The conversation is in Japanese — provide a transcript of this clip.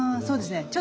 そうですね。